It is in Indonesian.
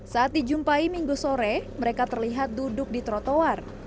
saat dijumpai minggu sore mereka terlihat duduk di trotoar